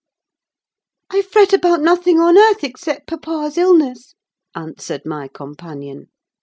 "I fret about nothing on earth except papa's illness," answered my companion.